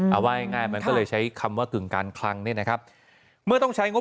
เอาง่ายมันก็เลยใช้คำว่ากึ่งการคลังเนี่ยนะครับ